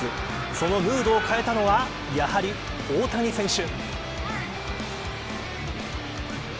そのムードを変えたのはやはり、大谷選手。